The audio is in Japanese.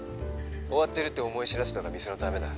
終わってるって思い知らせた方が店のためだ